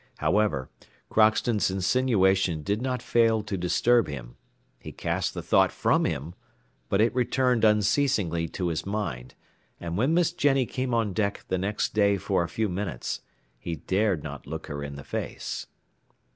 However, Crockston's insinuation did not fail to disturb him; he cast the thought from him, but it returned unceasingly to his mind, and when Miss Jenny came on deck the next day for a few minutes, he dared not look her in the face.